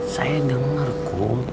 saya denger kum